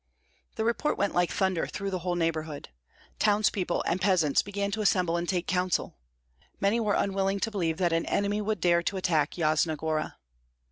The report went like thunder through the whole neighborhood. Townspeople and peasants began to assemble and take counsel. Many were unwilling to believe that any enemy would dare to attack Yasna Gora.